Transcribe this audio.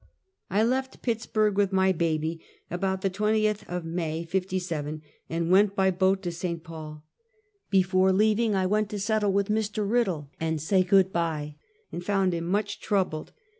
I left Pittsburg with my baby about the 20th of May, '57, and went by boat to St. Paul. Before leav ing, I went to settle with Mr. Piddle and say good bve, and found him much troubled.